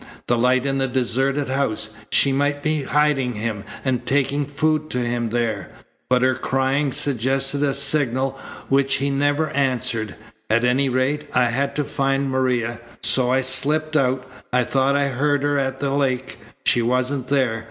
The light in the deserted house! She might be hiding him and taking food to him there. But her crying suggested a signal which he never answered. At any rate, I had to find Maria. So I slipped out. I thought I heard her at the lake. She wasn't there.